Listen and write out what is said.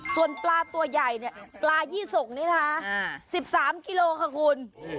ส่วนปลาตัวใหญ่เนี่ยปลายี่สกนี่นะคะ๑๓กิโลค่ะคุณ